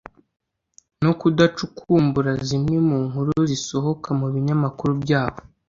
no kudacukumbura zimwe mu nkuru zisohoka mu binyamakuru byabo